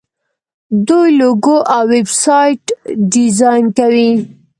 دوی لوګو او ویب سایټ ډیزاین کوي.